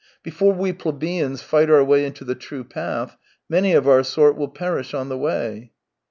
Before we plebeians fight our way into the true path, many of our sort will perish on the way."